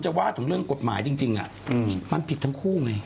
จะว่าถามเรื่องกฎหมายจริงจริงอ่ะอืมมันผิดทั้งคู่ไง